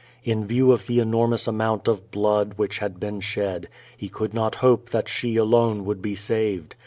In view of the enormous amount of blood which had been shed, he could not hope that she alone would be saved.